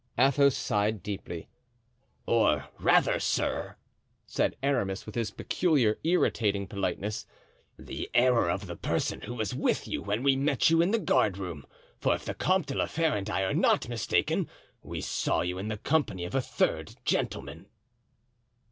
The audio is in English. Athos sighed deeply. "Or rather, sir," said Aramis, with his peculiar irritating politeness, "the error of the person who was with you when we met you in the guardroom; for if the Comte de la Fere and I are not mistaken, we saw you in the company of a third gentleman."